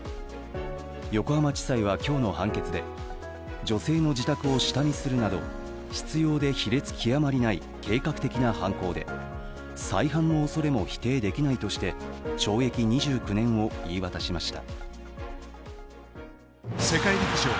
横浜地裁は今日の判決で女性の自宅を下見するなど執ようで卑劣極まりない計画的な犯行で再犯のおそれも否定できないとして懲役２９年を言い渡しました。